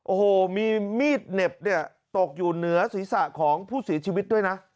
โอ้โหมีมีดเหน็บเนี่ยตกอยู่เหนือศีรษะของผู้เสียชีวิตด้วยนะ